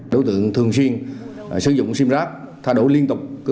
đối tượng thường xuyên sử dụng sim rác thay đổi liên tục